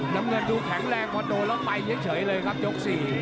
น้ำเงินดูแข็งแรงพอโดนแล้วไปเฉยเลยครับยก๔